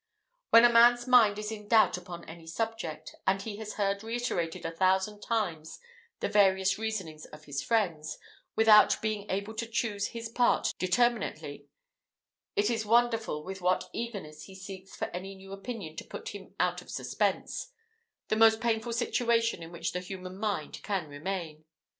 When a man's mind is in doubt upon any subject, and he has heard reiterated a thousand times the various reasonings of his friends, without being able to choose his part determinately, it is wonderful with what eagerness he seeks for any new opinion to put him out of suspense the most painful situation in which the human mind can remain.